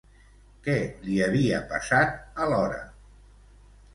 Què li havia passat alhora?